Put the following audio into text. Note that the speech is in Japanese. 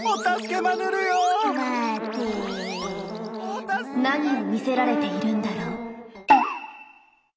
何を見せられているんだろう。